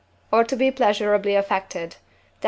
or to be pleasurably affected (Def.